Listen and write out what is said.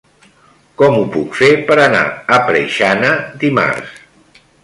Com ho puc fer per anar a Preixana dimarts?